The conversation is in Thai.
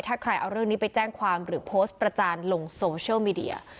ถ้าใครเอาเรื่องนี้ไปแจ้งความหรือโพสต์ประจานลงโซเชียลมีเดีย